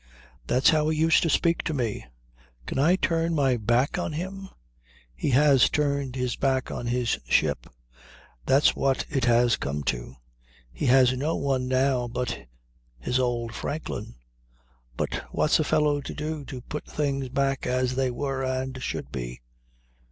That's how he used to speak to me. Can I turn my back on him? He has turned his back on his ship; that's what it has come to. He has no one now but his old Franklin. But what's a fellow to do to put things back as they were and should be.